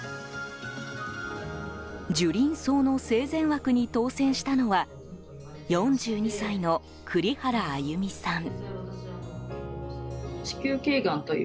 樹林葬の生前枠に当せんしたのは４２歳の栗原あゆみさん。